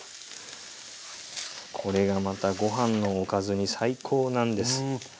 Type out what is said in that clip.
これがまたご飯のおかずに最高なんです。